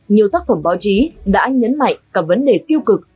nhiều tác phẩm báo chí đã nhấn mạnh cả vấn đề tiêu cực